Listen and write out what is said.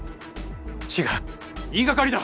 違う言い掛かりだ！